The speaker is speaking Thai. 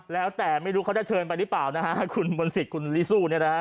แล้วแต่ไม่รู้เขาจะเชิญไปหรือเปล่าคุณบนศิษย์คุณลิซู้